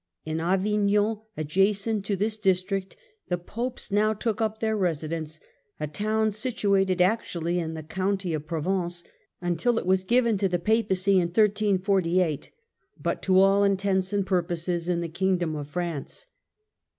In Avignon, adjacent to this district, the Popes now took up their residence, a town situated actually in the County of Provence, until it was given to the Papacy in 1348, but to all intents and purposes in the Kingdom of France.